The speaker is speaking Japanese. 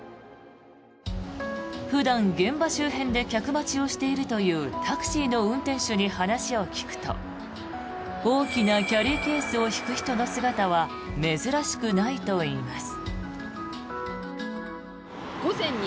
普段、現場周辺で客待ちをしているというタクシーの運転手に話を聞くと大きなキャリーケースを引く人の姿は珍しくないといいます。